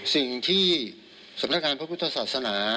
สิ่งที่สำนักงานพระพุทธศาสนา